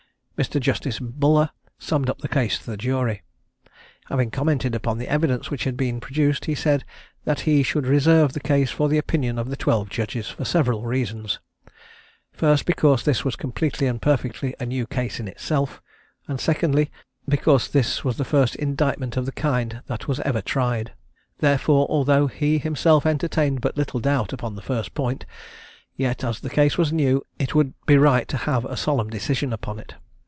Mr. Justice Buller summed up the case to the jury. Having commented upon the evidence which had been produced, he said that he should reserve the case for the opinion of the twelve judges, for several reasons: first, because this was completely and perfectly a new case in itself; and secondly, because this was the first indictment of the kind that was ever tried. Therefore, although he himself entertained but little doubt upon the first point, yet, as the case was new, it would be right to have a solemn decision upon it.